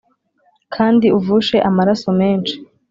kandi uvushe amaraso menshi